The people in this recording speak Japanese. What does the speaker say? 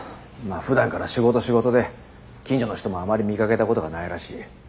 あふだんから仕事仕事で近所の人もあまり見かけたことがないらしい。